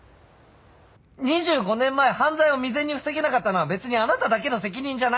２５年前犯罪を未然に防げなかったのは別にあなただけの責任じゃない！